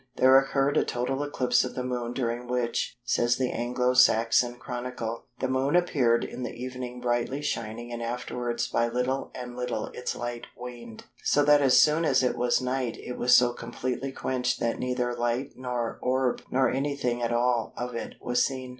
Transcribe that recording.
there occurred a total eclipse of the Moon during which, says the Anglo Saxon Chronicle, "the Moon appeared in the evening brightly shining and afterwards by little and little its light waned, so that as soon as it was night it was so completely quenched that neither light nor orb nor anything at all of it was seen.